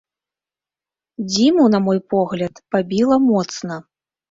Дзіму, на мой погляд, пабіла моцна.